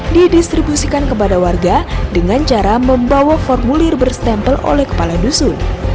didistribusikan kepada warga dengan cara membawa formulir berstempel oleh kepala dusun